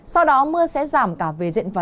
sau đó mưa sẽ giảm cả về diện vật